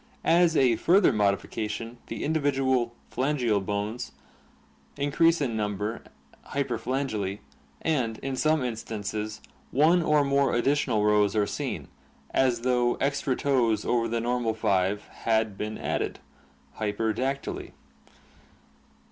As a further modification the individual phalangeal bones increase in number (hyperphalangy) and, in . some instances, one or more additional rows are seen, as though extra toes over the normal five had been added (hyper dactyly).